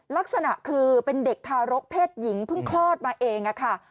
ลักษณะคือเป็นเด็กทารกเพศหญิงเพิ่งคลอดมาเองค่ะ